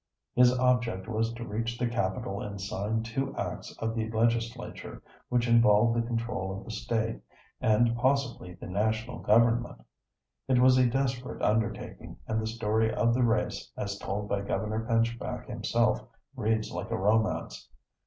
His object was to reach the capital and sign two acts of the legislature, which involved the control of the State and possibly the national government. It was a desperate undertaking, and the story of the race, as told by Governor Pinchback himself, reads like a romance.